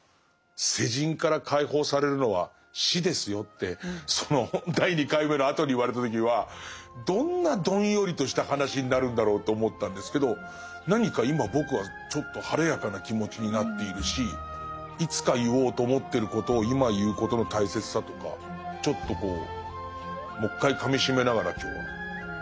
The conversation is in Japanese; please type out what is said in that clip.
世人から解放されるのは死ですよってその第２回目のあとに言われた時はどんなどんよりとした話になるんだろうと思ったんですけど何か今僕はちょっと晴れやかな気持ちになっているしいつか言おうと思ってることを今言うことの大切さとかちょっとこうもう一回かみしめながら今日は帰りたい。